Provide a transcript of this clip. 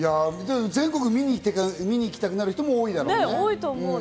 全国見に行きたくなる人も多いだろうから。